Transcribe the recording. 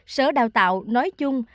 sở đào tạo nói chung